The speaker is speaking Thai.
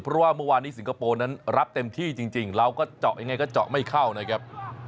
เพราะว่าเมื่อวานนี้สิงคโปร์นั้นรับเต็มที่จริงเราก็เจาะยังไงก็เจาะไม่เข้านะครับ